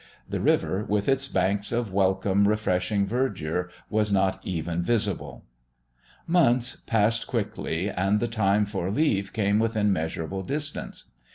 The river, with its banks of welcome, refreshing verdure, was not even visible. Months passed quickly, and the time for leave came within measurable distance.